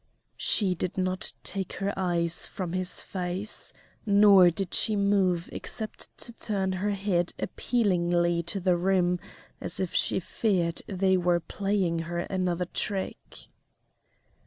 She did not take her eyes from his face, nor did she move except to turn her head appealingly to the room as if she feared they were playing her another trick.